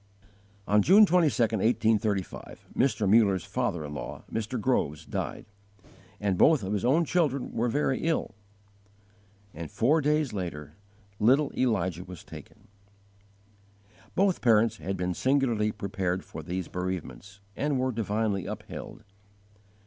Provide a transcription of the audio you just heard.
On June 22, 1835, Mr. Muller's father in law, Mr. Groves, died; and both of his own children were very ill, and four days later little Elijah was taken. Both parents had been singularly prepared for these bereavements, and were divinely upheld.